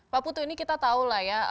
pak putu ini kita tahu lah ya